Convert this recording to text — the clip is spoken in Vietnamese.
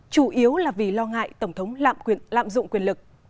chủ yếu là vì lo ngại tổng thống lạm dụng quyền lực